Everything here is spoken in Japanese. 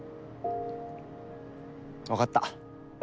わかった。